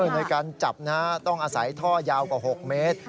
ในการจับต้องอาศัยท่อยาวกว่า๖เมตร